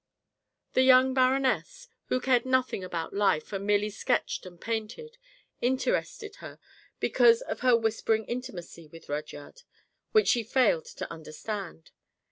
The young Baronesse, who cared nothing about life and merely sketched and painted, interested her because of her whispering intimacy with Rudyard, which she failed to understand.